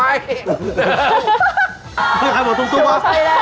มีใครบอกตุ๊กวะ